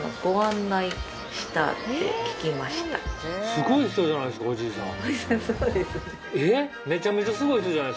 すごい人じゃないですかおじいさん。